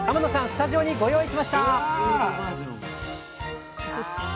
スタジオにご用意しました！